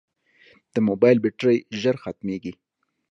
د موبایل بیټرۍ ژر ختمیږي.